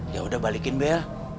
ya udah balikin bel